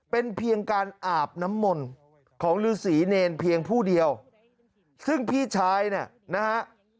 เป็นเพียงการอาบน้ำมนต์ของฤษีเนรเพียงผู้เดียวซึ่งพี่ชายเนี่ยนะฮะ